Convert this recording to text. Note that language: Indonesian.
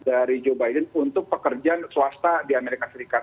dari joe biden untuk pekerjaan swasta di amerika serikat